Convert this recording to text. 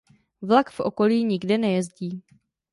Vlak v okolí nikde nejezdí.